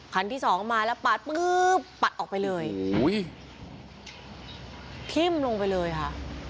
คันที่สองมาแล้วปาดปึ๊บปัดออกไปเลยโอ้โหทิ้มลงไปเลยค่ะ